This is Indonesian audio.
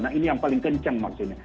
nah ini yang paling kencang maksudnya